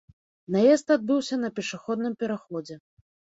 Наезд адбыўся на пешаходным пераходзе.